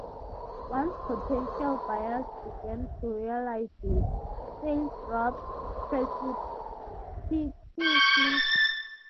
Once potential buyers began to realize this, sales dropped precipitously.